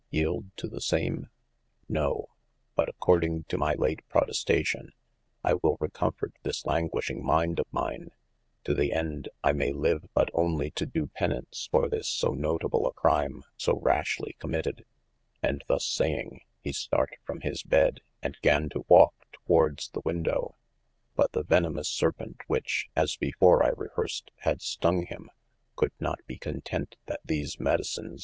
yelde to the same ? no, but according to my late protestation, I will recomfort this languishing minde of mine, to the ende I may live but onely to do penaunce for this so notable a cryme so rashly committed : and thus saying, he start from his bed, and gan to walke towardes the window : but the venimous serpent which (as before I rehearsed) had stong him, coulde not be content that these medicines 420 OF MASTER F.